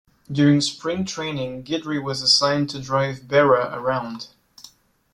During Spring training, Guidry was assigned to drive Berra around.